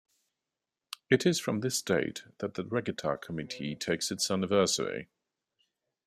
It is from this date that the Regatta Committee takes its anniversary.